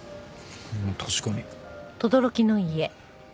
確かに。